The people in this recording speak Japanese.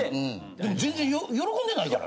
でもぜんぜん喜んでないから。